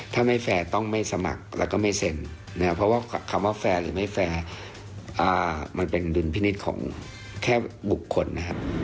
ถ้าไม่แฟร์ต้องไม่สมัครแล้วก็ไม่เซ็นนะครับเพราะว่าคำว่าแฟร์หรือไม่แฟร์มันเป็นดุลพินิษฐ์ของแค่บุคคลนะครับ